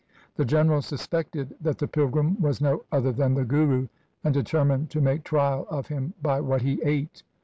The general suspected that the pilgrim was no other than the Guru, and determined to make trial of him by what he ate.